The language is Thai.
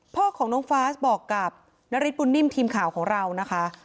พ่อของน้องฟาสบอกกับนาริสบุญนิ่มทีมข่าวของเรานะคะ